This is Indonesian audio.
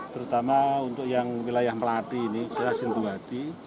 terutama untuk yang wilayah melati ini di sleman sindu adi